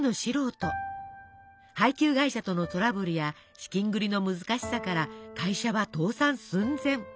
配給会社とのトラブルや資金繰りの難しさから会社は倒産寸前。